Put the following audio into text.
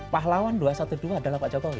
pahlawan dua ratus dua belas adalah pak jokowi